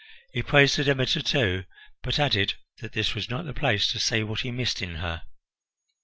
He praised the Demeter, too, but added that this was not the place to say what he missed in her.